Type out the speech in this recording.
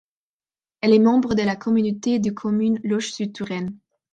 Elle est membre de la communauté de communes Loches Sud Touraine.